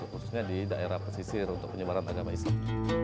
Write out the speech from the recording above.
khususnya di daerah pesisir untuk penyebaran agama islam